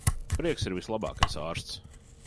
Prieks ir vislabākais ārsts.